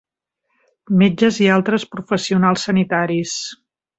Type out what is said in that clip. metges i altres professionals sanitaris.